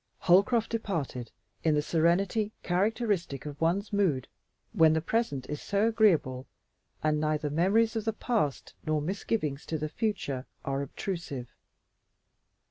Holcroft departed in the serenity characteristic of one's mood when the present is so agreeable that neither memories of the past nor misgivings as to the future are obtrusive.